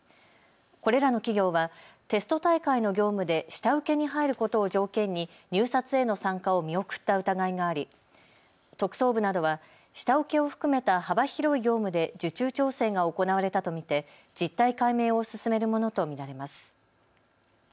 これらの企業はテスト大会の業務で下請けに入ることを条件に入札への参加を見送った疑いがあり、特捜部などは下請けを含めた幅広い業務で受注調整が行われたと見て実態解明を進めるものと見られます。